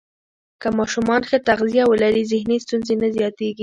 که ماشومان ښه تغذیه ولري، ذهني ستونزې نه زیاتېږي.